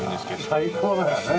最高だよね。